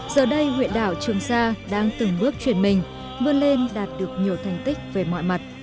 giờ đây huyện đảo trường sa đang từng bước chuyển mình vươn lên đạt được nhiều thành tích về mọi mặt